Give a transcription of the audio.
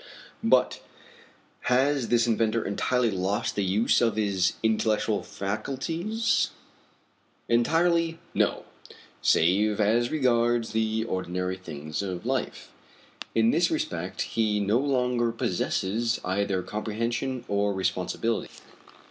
But has this inventor entirely lost the use of his intellectual faculties?" "Entirely, no; save as regards the ordinary things of life. In this respect he no longer possesses either comprehension or responsibility.